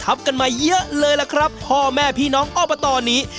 กันมาเยอะเลยล่ะครับพ่อแม่พี่น้องอบตนี้